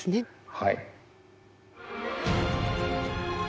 はい。